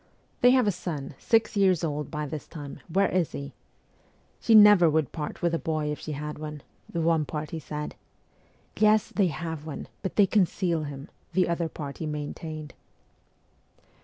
' They have a son, six years old by this time where is he ?'' She never would part with a boy if she had one,' the one party said. ' Yes, they have one, but they conceal him,' the other party maintained.